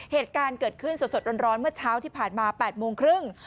เหตุการณ์เกิดขึ้นสดร้อนเมื่อเช้าที่ผ่านมา๘โมงครึ่ง